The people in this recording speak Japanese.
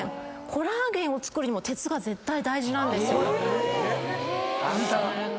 コラーゲンを作るにも鉄が絶対大事なんですよ。